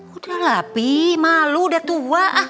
udah lah pi malu udah tua